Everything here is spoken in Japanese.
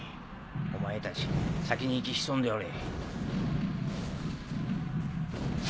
お前たち先に行き潜んでおれ。